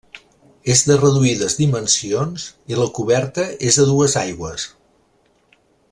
És de reduïdes dimensions i la coberta és a dues aigües.